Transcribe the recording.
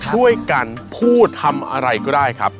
ช่วยกันพูดทำอะไรก็ได้ครับ